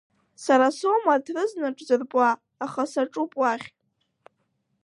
Сара соума арҭ рызна ҿзырпуа, аха саҿуп уахь…